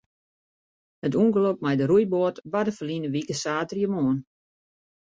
It ûngelok mei de roeiboat barde ferline wike saterdeitemoarn.